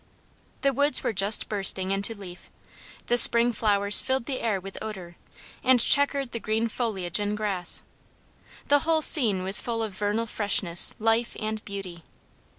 The woods were just bursting into leaf; the spring flowers filled the air with odor, and chequered the green foliage and grass; the whole scene was full of vernal freshness, life, and beauty.